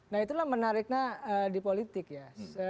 nah itulah menariknya di politik ya